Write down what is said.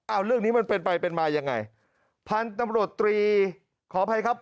เอาเรื่องนี้มันเป็นไปเป็นมายังไงพันธุ์ตำรวจตรีขออภัยครับ